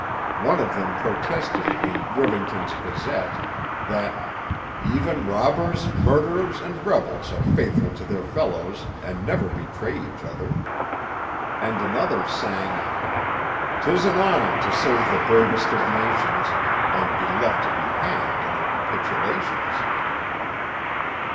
One of them protested in Rivington's Gazette that 'even robbers, murderers, and rebels are faithful to their fellows and never betray each other,' and another sang, 'Tis an honour to serve the bravest of nations, And be left to be hanged in their capitulations.